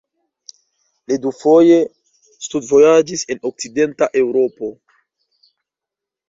Li dufoje studvojaĝis en okcidenta Eŭropo.